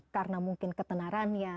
karena mungkin ketenarannya